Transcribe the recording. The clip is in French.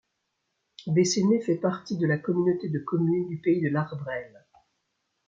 Bessenay fait partie de la communauté de communes du Pays de L'Arbresle.